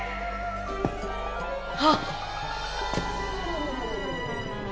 あっ！